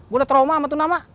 gue udah trauma sama tuh nama